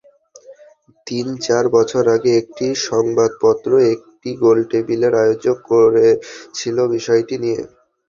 তিন–চার বছর আগে একটি সংবাদপত্র একটি গোলটেবিলের আয়োজন করেছিল বিষয়টি নিয়ে।